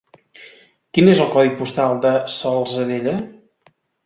Quin és el codi postal de la Salzadella?